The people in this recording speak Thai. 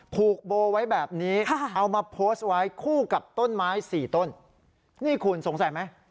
ผูกโบไว้แบบนี้เอามาโพสต์ไว้คู่กับต้นไม้สี่ต้นนี่คุณสงสัยไหม